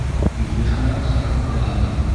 Юғиһә, харап булаһығыҙ.